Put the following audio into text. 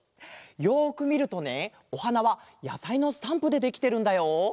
よくみるとねおはなはやさいのスタンプでできてるんだよ。